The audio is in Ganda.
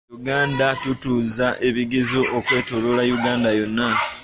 Mu Uganda, tutuuza ebigezo okwetooloola eggwanga lyonna.